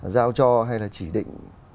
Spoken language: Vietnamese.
giao cho hay là chỉ định